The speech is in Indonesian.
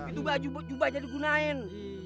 itu baju jubah aja digunain